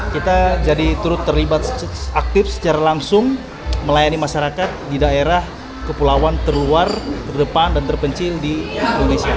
kita jadi turut terlibat aktif secara langsung melayani masyarakat di daerah kepulauan terluar terdepan dan terpencil di indonesia